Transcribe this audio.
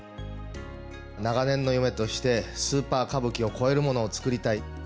長年の夢として、スーパー歌舞伎を超えるものを作りたい。